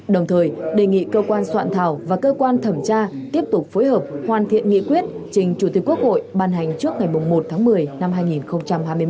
đồng thời đề nghị cơ quan soạn thảo và cơ quan thẩm tra tiếp tục phối hợp hoàn thiện nghị quyết trình chủ tịch quốc hội ban hành trước ngày một tháng một mươi năm hai nghìn hai mươi một